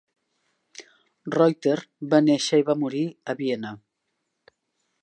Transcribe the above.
Reutter va néixer i va morir a Viena.